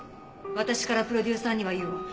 私からプロデューサーには言うわ。